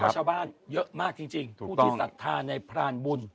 ชาวบ้านเยอะมากจริงผู้ที่ศรัทธาในพรานบุญ